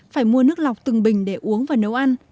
phải mua nước lọc từng bình để uống và nấu ăn